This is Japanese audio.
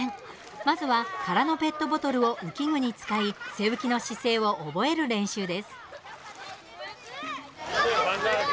まずは空のペットボトルを浮き具に使い背浮きの姿勢を覚える練習です。